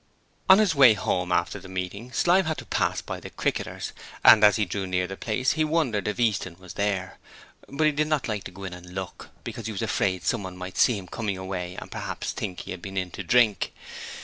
On his way home after the meeting Slyme had to pass by the 'Cricketers' and as he drew near the place he wondered if Easton was there, but he did not like to go and look in, because he was afraid someone might see him coming away and perhaps think he had been in to drink.